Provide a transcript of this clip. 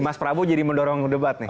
mas prabowo jadi mendorong debat nih